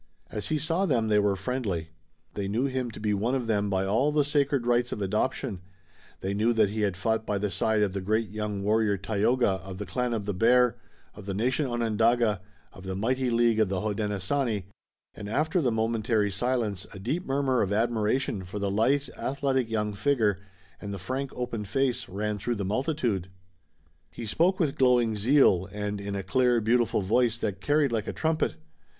As he saw them, they were friendly. They knew him to be one of them by all the sacred rites of adoption, they knew that he had fought by the side of the great young warrior Tayoga of the clan of the Bear, of the nation Onondaga, of the mighty League of the Hodenosaunee, and after the momentary silence a deep murmur of admiration for the lithe, athletic young figure, and the frank, open face, ran through the multitude. He spoke with glowing zeal and in a clear, beautiful voice that carried like a trumpet.